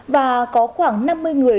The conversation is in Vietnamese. và có khoảng năm mươi người